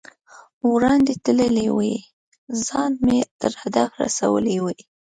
وړاندې تللی وای، ځان مې تر هدف رسولی وای.